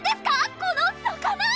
この魚！